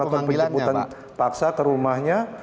dan kita sudah melakukan penjemputan paksa ke rumahnya